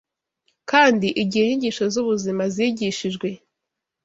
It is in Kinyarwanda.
kandi igihe inyigisho z’ubuzima zigishijwe